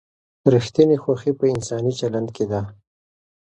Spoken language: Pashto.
ریښتینې خوښي په انساني چلند کې ده.